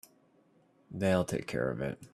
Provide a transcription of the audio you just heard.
They'll take care of it.